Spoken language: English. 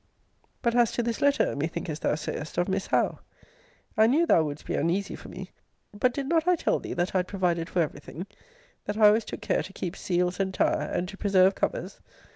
But as to this letter, methinkest thou sayest, of Miss Howe? I knew thou wouldest be uneasy for me. But did not I tell thee that I had provided for every thing? That I always took care to keep seals entire, and to preserve covers?